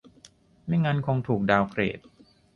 ไม่งั้นคงถูกดาวน์เกรด